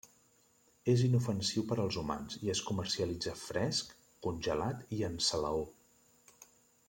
És inofensiu per als humans i es comercialitza fresc, congelat i en salaó.